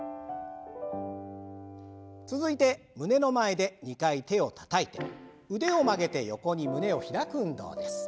続いて胸の前で２回手をたたいて腕を曲げて横に胸を開く運動です。